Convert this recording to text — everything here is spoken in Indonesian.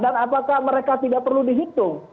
dan apakah mereka tidak perlu dihitung